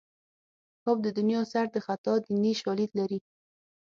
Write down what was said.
حب د دنیا سر د خطا دیني شالید لري